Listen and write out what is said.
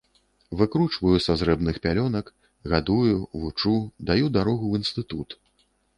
Выкручваю са зрэбных пялёнак, гадую, вучу, даю дарогу ў інстытут.